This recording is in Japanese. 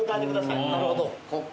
なるほど。